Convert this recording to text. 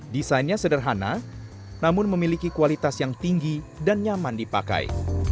desainnya sederhana namun memiliki kualitas yang tinggi dan nyaman dipakai